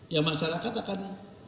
ya masyarakat akan